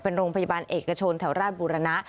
เป็นโรงพยาบาลเอกชนแถวราชบุรณะ